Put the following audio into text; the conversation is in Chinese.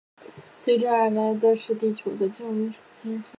随之而来的是地球的降温冰封。